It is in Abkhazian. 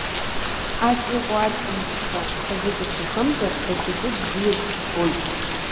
Ас иҟоу аҷкәын ԥшқа бхазы дыбҭахымзар, даҽаӡәы бзиа дыббоит.